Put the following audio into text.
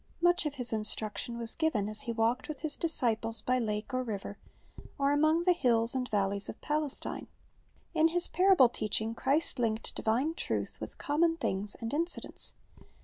MiicJi of His instruction xvas given as He walked zvith His disciples by lake or river, or among the lulls and valleys of Palestine. In His parable teaching Christ linked divine truth ivith common things and incidoits.